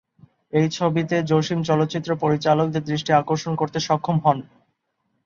এই ছবিতে জসিম চলচ্চিত্র পরিচালকদের দৃষ্টি আকর্ষণ করতে সক্ষম হন।